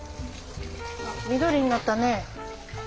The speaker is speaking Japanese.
緑になったね。